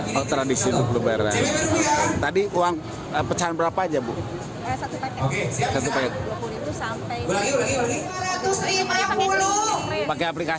bank indonesia untuk tahun ini menyiapkan dua empat triliun uang baru